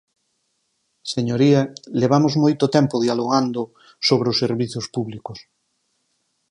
Señoría, levamos moito tempo dialogando sobre os servizos públicos.